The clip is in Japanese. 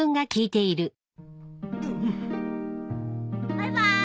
バイバイ。